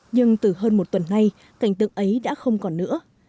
nhưng từ hơn một tuần nay cảnh tượng ấy đã không còn nữa